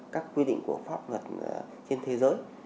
các quy định của pháp luật trên thế giới